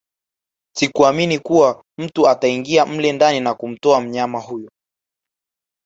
Sikuamini kuwa mtu ataingia mle ndani na kumtoa mnyama huyo